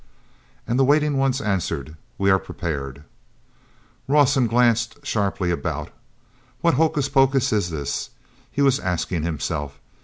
And the waiting ones answered: "We are prepared." Rawson glanced sharply about. "What hocus pocus is this?" he was asking himself.